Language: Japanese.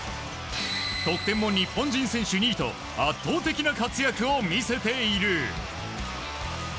得点も日本人選手２位と圧倒的な活躍を見せている。